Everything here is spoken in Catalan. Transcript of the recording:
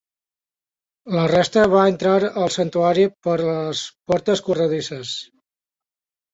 La resta va entrar el santuari per les portes corredisses.